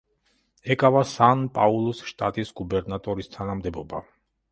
ეკავა სან-პაულუს შტატის გუბერნატორის თანამდებობა.